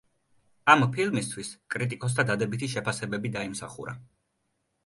ამ ფილმისთვის კრიტიკოსთა დადებითი შეფასებები დაიმსახურა.